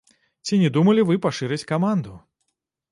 Ці не думалі вы пашырыць каманду?